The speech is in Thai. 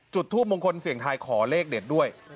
จุดทูปมงคลเสียงทายขอเลขเด็ดด้วย